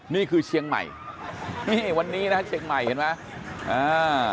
นี่คือเชียงใหม่นี่วันนี้นะฮะเชียงใหม่เห็นไหมอ่า